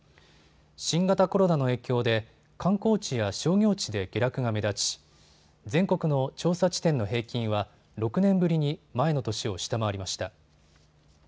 新型コロナの影響で観光地や商業地で下落が目立ち全国の調査地点の平均は６年ぶりに前の年を下回りました。